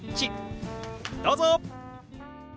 どうぞ！